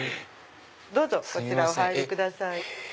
どうぞこちらお入りください。